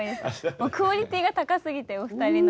もうクオリティーが高すぎてお二人の。